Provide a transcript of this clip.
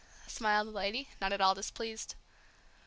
smiled the lady, not at all displeased.